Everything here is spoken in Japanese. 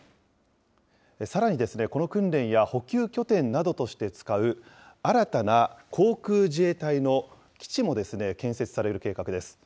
さらに、この訓練や補給拠点などとして使う新たな航空自衛隊の基地も建設される計画です。